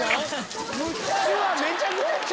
めちゃくちゃチュ！